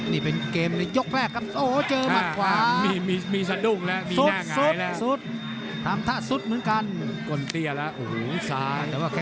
นี่เป็นเกมในยกแรกยก